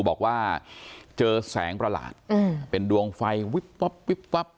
บอกว่าเจอแสงประหลาดเป็นดวงไฟวิบวับวิบวับ